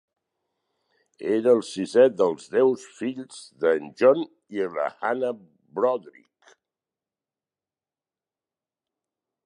Era el sisè dels deus fills d'en John i la Hannah Brodrick.